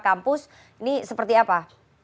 kampus ini seperti apa